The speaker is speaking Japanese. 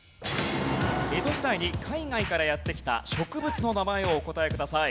江戸時代に海外からやって来た植物の名前をお答えください。